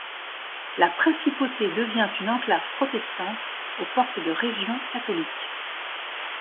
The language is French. La principauté devient une enclave protestante, aux portes de régions catholiques.